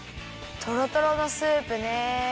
とろとろのスープねえ。